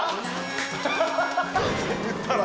言ったら。